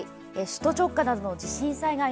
首都直下などの地震災害。